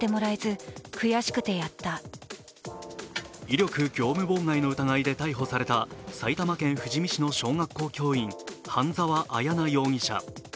威力業務妨害の疑いで逮捕された埼玉県富士見市の小学校教員、半沢彩奈容疑者。